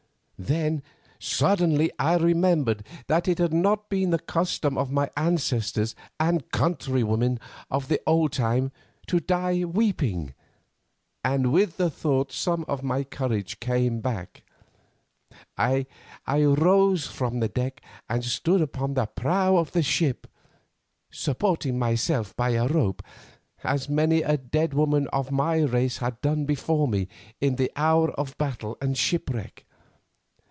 "Then suddenly I remembered that it had not been the custom of my ancestors and countrywomen of the old time to die weeping, and with the thought some of my courage came back. I rose from the deck and stood upon the prow of the ship, supporting myself by a rope, as many a dead woman of my race has done before me in the hour of battle and shipwreck.